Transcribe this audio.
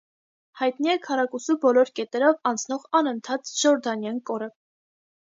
Հայտնի է քառակուսու բոլոր կետերով անցնող անընդհատ ժորդանյան կորը։